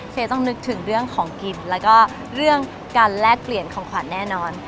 ต้องนึกถึงเรื่องของกินแล้วก็เรื่องการแลกเปลี่ยนของขวัญแน่นอน